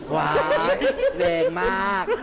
ว้ายเล่นมาก